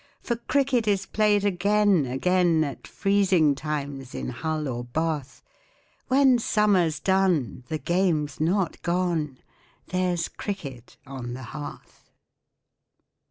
For Cricket is played again, again, At freezing times in Hull or Bath; When summer's done the game's not gone There's Cricket on the Hearth!